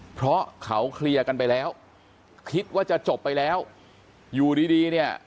เพราะเขาเคลียร์กันไปแล้วคิดว่าจะจบไปแล้วอยู่ดีดีเนี่ย